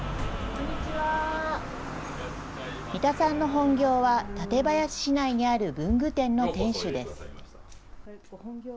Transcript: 三田さんの本業は館林市内にある文具店の店主です。